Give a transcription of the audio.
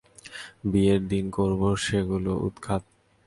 বিয়ের দিন করব সেগুলো উৎখাত!